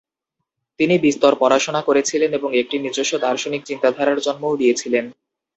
তিনি বিস্তর পড়াশোনা করেছিলেন এবং একটি নিজস্ব দার্শনিক চিন্তাধারার জন্মও দিয়েছিলেন।